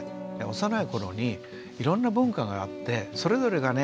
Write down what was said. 幼い頃にいろんな文化があってそれぞれがね